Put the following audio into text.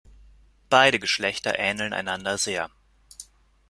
Beide Geschlechter ähneln einander sehr.